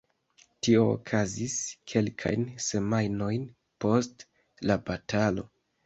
Tio okazis kelkajn semajnojn post la batalo.